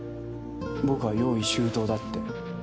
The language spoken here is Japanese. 僕は用意周到だって。